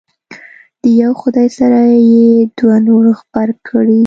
د یو خدای سره یې دوه نور غبرګ کړي.